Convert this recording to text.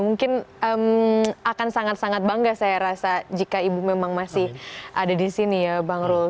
mungkin akan sangat sangat bangga saya rasa jika ibu memang masih ada di sini ya bang rul